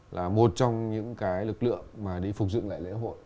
là một trong những cái lực lượng mà đi phục dựng lại lễ hội